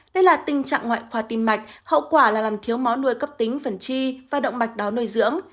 đây là tình trạng ngoại khoa tim mạch hậu quả là làm thiếu máu nuôi cấp tính phần chi và động mạch đó nuôi dưỡng